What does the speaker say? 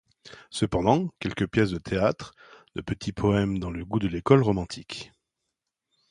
Cependant, quelques pièces de théâtre, de petits poèmes dans le goût de l’école romantique.